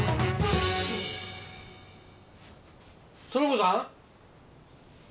苑子さん？